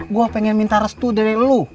gua pengen minta restu dari lu